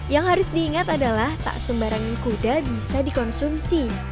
yang harus diingat adalah tak sembarangan kuda bisa dikonsumsi